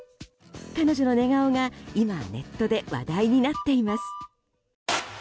彼女の寝顔が、今ネットで話題になっています。